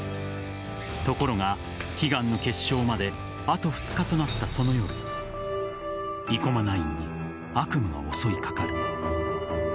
ところが、悲願の決勝まであと２日となったその夜生駒ナインに悪夢が襲いかかる。